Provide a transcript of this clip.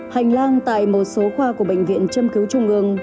hành lang tại một số khoa của bệnh viện châm cứu trung ương